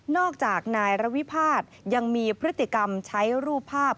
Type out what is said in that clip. จากนายระวิพาทยังมีพฤติกรรมใช้รูปภาพ